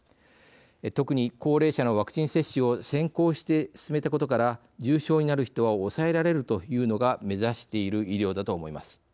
特に高齢者のワクチン接種を先行して進めたことから重症になる人は抑えられるというのが目指している医療だと思います。